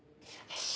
よし！